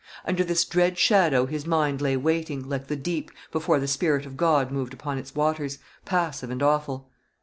Under this dread shadow his mind lay waiting, like the deep, before the Spirit of God moved upon its waters, passive and awful.